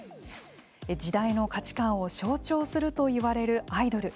時代の価値観を象徴するといわれるアイドル。